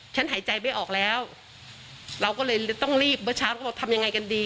หายใจไม่ออกแล้วเราก็เลยต้องรีบเมื่อเช้าก็บอกทำยังไงกันดี